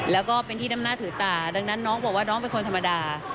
แล้วก็เป็นที่นำหน้าถือตาดังนั้นน้องบอกว่าน้องเป็นคนธรรมดา